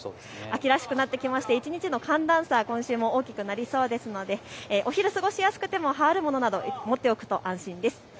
秋らしくなってきまして一日の寒暖差大きくなってきそうですのでお昼過ごしやすくても羽織るものを持っておくと安心です。